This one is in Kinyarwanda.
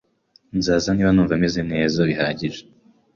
Nzaza niba numva meze neza bihagije.